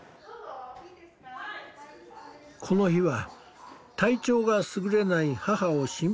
この日は体調が優れない母を心配しての面会。